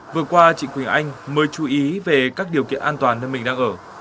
vừa qua chị quỳnh anh mới chú ý về các điều kiện an toàn nơi mình đang ở